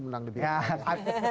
menang di debat